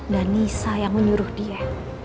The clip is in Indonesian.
dan nisa yang menyuruh dia